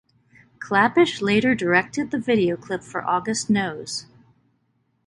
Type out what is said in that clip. Klapisch later directed the video clip for "August Knows".